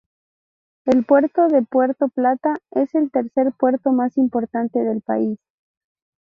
El puerto de Puerto Plata es el tercer puerto más importante del país.